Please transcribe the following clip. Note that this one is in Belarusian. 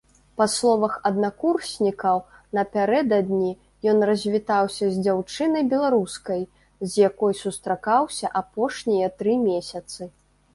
Па словах аднакурснікаў, напярэдадні ён развітаўся з дзяўчынай-беларускай, з якой сустракаўся апошнія тры месяцы.